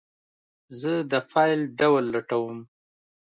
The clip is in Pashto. زه د فایل ډول لټوم.